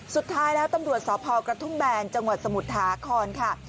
สุดท้ายแล้วตำรวจสพกระทุ่มแบนจังหวัดสมุทรสาครค่ะ